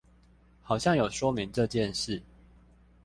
好像有說明這件事